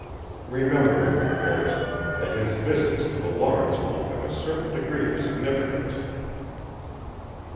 Remembering, of course, that his visits to the Lawrence home have a certain degree of significance."